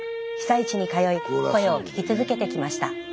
被災地に通い声を聞き続けてきました。